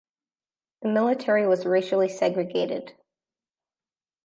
The military was racially segregated.